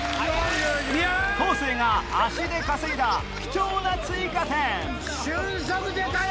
方正が足で稼いだ貴重な追加点俊足出たよ！